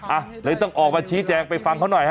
อ่ะเลยต้องออกมาชี้แจงไปฟังเขาหน่อยฮ